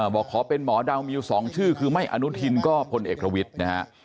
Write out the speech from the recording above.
บอกขอเป็นหมอดาวมิว๒ชื่อคือไม่อนุทินก็พลเอกประวิทย์นะฮะ